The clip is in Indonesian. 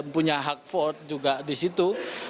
punya hak ford juga di situ